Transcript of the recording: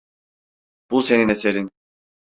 Bu senin eserin…